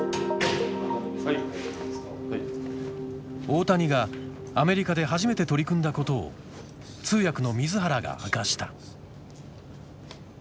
大谷がアメリカで初めて取り組んだことを通訳の水原が明かした。